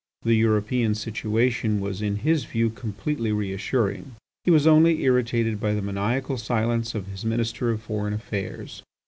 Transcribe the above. The European situation was in his view completely reassuring. He was only irritated by the maniacal silence of his Minister of Foreign Affairs.